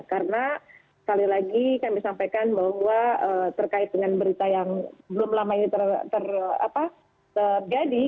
karena sekali lagi kami sampaikan bahwa terkait dengan berita yang belum lama ini terjadi